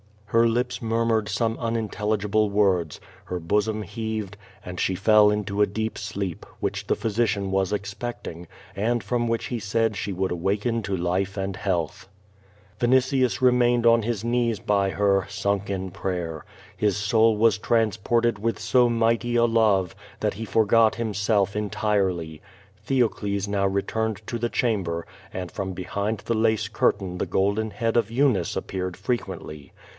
^' Her lips murmured some unintelligible words, her bosom heaved, and she fell into a deep sleep, which the physiciaii was expecting, and from which he said she would awaken to life and health. Vinitius remained on his knees by her, sunk in prayer. His soul was transported with so mighty a love, that he for got himself entirely. Theocles now returned to the chamber, .and from behind the lace curtain the golden head of Eunice appeared frequently.